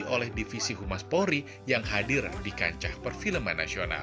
oleh divisi humas polri yang hadir di kancah perfilman nasional